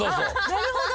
なるほど。